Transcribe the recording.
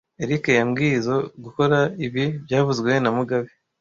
Eric yambwizoe gukora ibi byavuzwe na mugabe